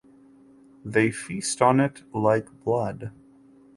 They feast on it like blood.